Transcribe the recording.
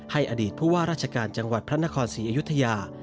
อดีตผู้ว่าราชการจังหวัดพระนครศรีอยุธยา